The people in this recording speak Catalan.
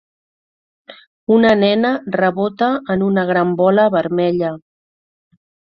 Una nena rebota en una gran bola vermella.